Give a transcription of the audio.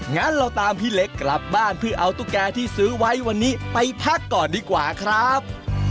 งั้นเราตามพี่เล็กกลับบ้านเพื่อเอาตุ๊กแกที่ซื้อไว้วันนี้ไปพักก่อนดีกว่าครับ